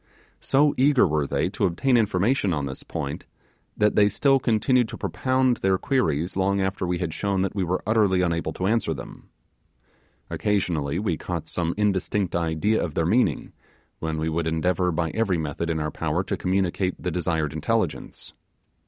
So eager were they to obtain information on this point, that they still continued to propound their queries long after we had shown that we were utterly unable to answer them. Occasionally we caught some indistinct idea of their meaning, when we would endeavour by every method in our power to communicate the desired intelligence.